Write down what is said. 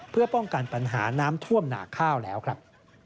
เพื่อป้องกันปัญหาน้ำท่วมหนาข้าวแล้วครับ